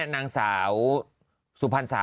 เช็ดแรงไปนี่